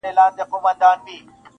• دا د کوم حیوان بچی درته ښکاریږي -